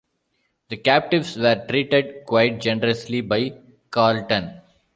The captives were treated quite generously by Carleton.